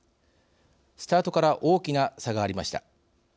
スタートから大きな差がありました。